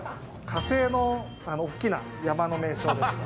火星の大きな山の名称です。